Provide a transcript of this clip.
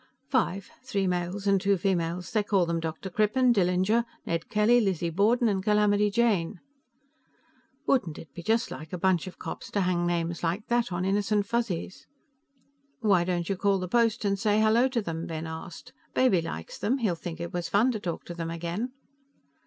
"Five, three males and two females. They call them Dr. Crippen, Dillinger, Ned Kelly, Lizzie Borden and Calamity Jane." Wouldn't it be just like a bunch of cops to hang names like that on innocent Fuzzies? "Why don't you call the post and say hello to them?" Ben asked. "Baby likes them; he'd think it was fun to talk to them again."